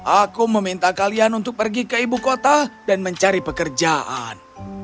aku meminta kalian untuk pergi ke ibu kota dan mencari pekerjaan